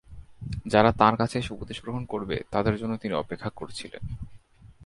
যারা তাঁর কাছে এসে উপদেশ গ্রহণ করবে, তাদের জন্য তিনি অপেক্ষা করেছিলেন।